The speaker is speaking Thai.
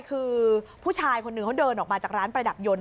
คือผู้ชายคนหนึ่งเขาเดินออกมาจากร้านประดับยนต